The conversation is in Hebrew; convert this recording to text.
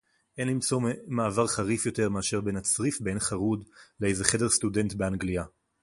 אֵין לִמְצֹא מֵעֵבֶר חָרִיף יֻתַּר מְאַשֵּׁר בֵּין הַצְּרִיף בעין-חרוד לְאֵיזֶה חֶדֶר סְטוּדֶנְט בְּאַנְגְּלִיָּה.